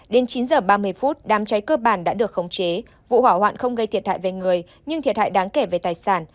đến chín h ba mươi phút đám cháy cơ bản đã được khống chế vụ hỏa hoạn không gây thiệt hại về người nhưng thiệt hại đáng kể về tài sản